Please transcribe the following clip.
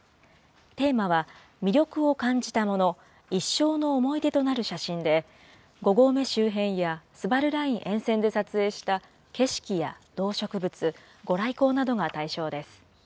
テーマは、魅力を感じたもの、一生の思い出となる写真で、５合目周辺やスバルライン沿線で撮影した景色や動植物、ご来光などが対象です。